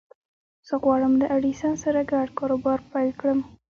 زه غواړم له ايډېسن سره ګډ کاروبار پيل کړم.